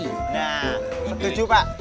nah setuju pak